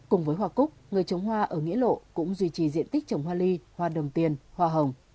cùng với hoa cúc người trồng hoa ở nghĩa lộ cũng duy trì diện tích trồng hoa ly hoa đồng tiền hoa hồng